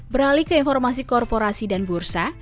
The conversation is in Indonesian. beralih ke informasi korporasi dan bursa